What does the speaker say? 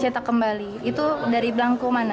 cetak kembali itu dari belangku mana